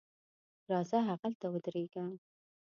راځه هغلته ودرېږه.